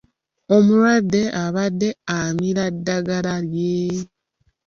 Omulwadde abadde amira ddagala lye.